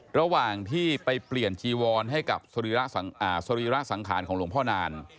ระหว่างที่ไปเปลี่ยนจีวรให้กับสรีระสังขารของหลวงพ่อนาน